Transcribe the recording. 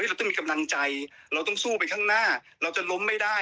เราต้องมีกำลังใจเราต้องสู้ไปข้างหน้าเราจะล้มไม่ได้